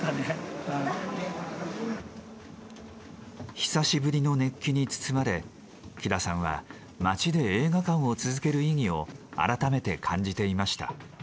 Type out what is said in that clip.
久しぶりの熱気に包まれ喜田さんは街で映画館を続ける意義を改めて感じていました。